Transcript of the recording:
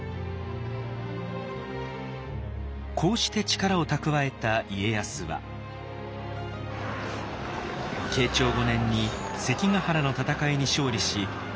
こうして力を蓄えた家康は慶長５年に関ヶ原の戦いに勝利し天下統一を果たします。